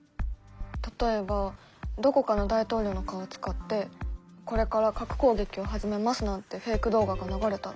例えばどこかの大統領の顔を使って「これから核攻撃を始めます」なんてフェイク動画が流れたら。